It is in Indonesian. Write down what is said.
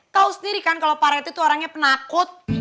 kau sendiri kan kalau pak rete itu orangnya penakut